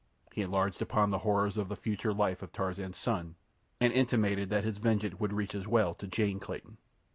He enlarged upon the horrors of the future life of Tarzan's son, and intimated that his vengeance would reach as well to Jane Clayton.